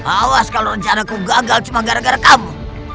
awas kalau rencanaku gagal cuma gara gara kamu